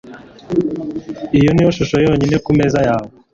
Iyo niyo shusho yonyine kumeza yawe?